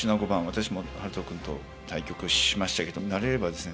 私も晴都君と対局しましたけど慣れればですね